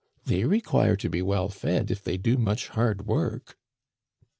They require to be well fed if they do much hard work."